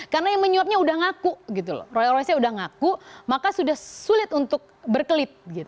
karena yang menyuapnya sudah ngaku roy roy sudah ngaku maka sudah sulit untuk berkelit